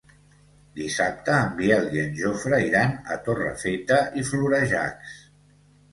Dissabte en Biel i en Jofre iran a Torrefeta i Florejacs.